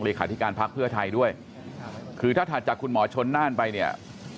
ที่การพักเพื่อไทยด้วยคือถ้าถัดจากคุณหมอชนน่านไปเนี่ย